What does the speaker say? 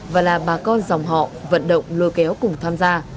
và là bà con dòng họ vận động lôi kéo cùng tham gia